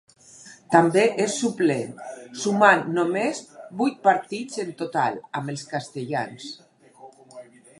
També és suplent, sumant només vuit partits en total amb els castellans.